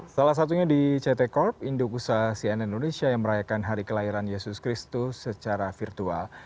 salah satunya di ct corp indukusah sian indonesia yang merayakan hari kelahiran yesus kristus secara virtual